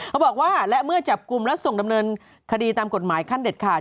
เขาบอกว่าและเมื่อจับกลุ่มและส่งดำเนินคดีตามกฎหมายขั้นเด็ดขาด